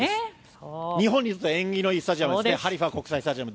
日本としては縁起のいいスタジアムハリファ国際スタジアム。